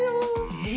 え？